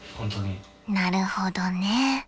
［なるほどね］